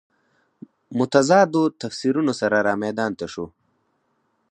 متضادو تفسیرونو سره رامیدان ته شو.